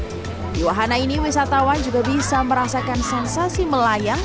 di wahana ini wisatawan juga bisa merasakan sensasi melayang